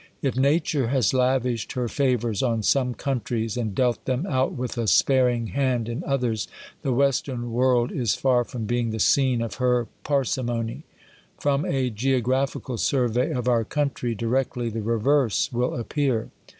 If nature has lavished her favours on some countries, and dealt them out with a sparing hand in others, the Western world is far from being the scene of her par simony. From a geographical survey of our country, directly the reverse will appear.